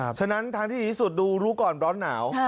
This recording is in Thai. ฉะนั้นทางที่ดีที่สุดดูรู้ก่อนร้อนหนาว